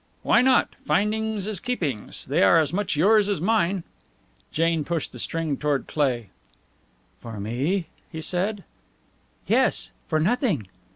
"Why not? Findings is keepings. They are as much yours as mine." Jane pushed the string toward Cleigh. "For me?" he said. "Yes for nothing."